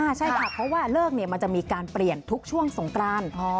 ใช่ค่ะเพราะว่าเลิกมันจะมีการเปลี่ยนทุกช่วงสงกราน